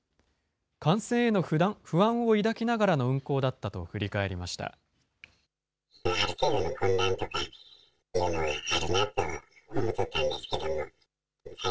感染への不安を抱きながらの運行だったと振り返りました。